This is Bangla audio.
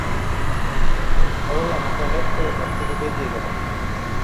সরলা মাথা হেঁট করে ঘর থেকে বেরিয়ে গেল।